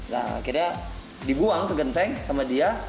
nah akhirnya dibuang ke genteng sama dia